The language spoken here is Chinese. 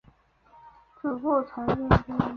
祖父陈鲁宾。